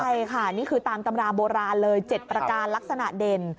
ใช่ค่ะนี่คือตามตำราโบราณเลย๗ประการลักษณะเด่น